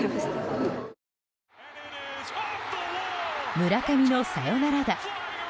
村上のサヨナラ打。